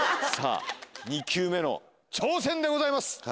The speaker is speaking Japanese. さぁ２球目の挑戦でございます。